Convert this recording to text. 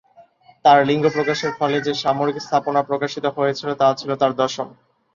তার লিঙ্গ প্রকাশের ফলে যে সামরিক স্থাপনা প্রকাশিত হয়েছিল তা ছিল তার দশম।